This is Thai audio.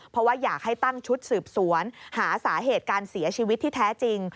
เพราะว่าอยากให้ตั้งชุดสืบสวนหาสาเหตุการเสียชีวิตที่แท้จริง